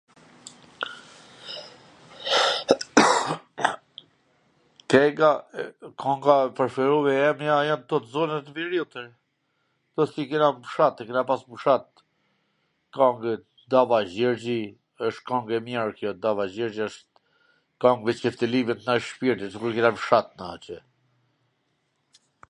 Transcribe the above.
kenga, kwnga e preferume e jemja jan kto t zonws t Veriut, po si i kena n fshat, i kena pas n fshat, kangwt Dava Gjergji, wsht kang e mir, kjo Dava Gjergji wsht kang me Cifteli me t knaq shpirtin, sikur t jena n fshat,